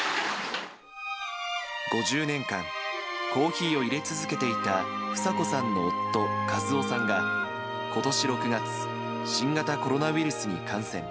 ５０年間、コーヒーをいれ続けていた房子さんの夫、和雄さんがことし６月、新型コロナウイルスに感染。